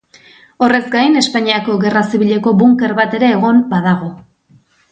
Horrez gain, Espainiako Gerra Zibileko bunker bat ere egon badago.